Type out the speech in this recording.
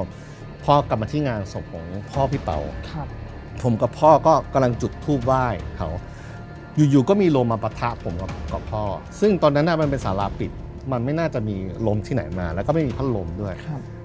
ครับพ่อกลับมาที่งานศพของพ่อพี่เป๋าครับผมกับพ่อก็กำลังจุดทูบไหว้เขาอยู่อยู่ก็มีลมมาปะทะผมกับพ่อซึ่งตอนนั้นน่ะมันเป็นสาระปิดมันไม่น่าจะมีลมที่ไหนมาแล้วก็ไม่มีพันลมด้วยครับ